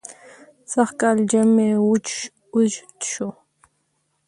سژ کال ژمى وژد سو